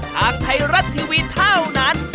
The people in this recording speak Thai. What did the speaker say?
ทางไทยรัฐทีวีเท่านั้น